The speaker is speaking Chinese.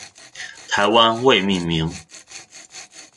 台湾未命名。